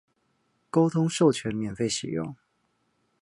溝通授權免費使用